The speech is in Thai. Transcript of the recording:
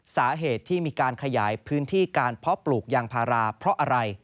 สาเหตุที่มีการขยายพื้นที่การเพาะปลูกยางพาราเพราะอะไร